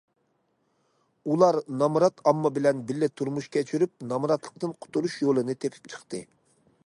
ئۇلار نامرات ئامما بىلەن بىللە تۇرمۇش كەچۈرۈپ، نامراتلىقتىن قۇتۇلۇش يولىنى تېپىپ چىقتى.